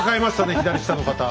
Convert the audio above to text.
左下の方。